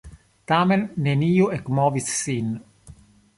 Tamen neniu ekmovis sin!